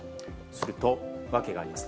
すると訳があります。